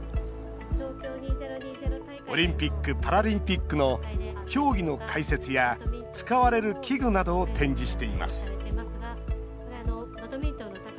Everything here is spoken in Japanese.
オリンピック・パラリンピックの競技の解説や使われる器具などを展示しています。